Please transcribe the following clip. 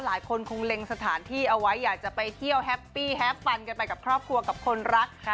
หลายคนคงเล็งสถานที่เอาไว้อยากจะไปเที่ยวแฮปปี้แฮปฟันกันไปกับครอบครัวกับคนรัก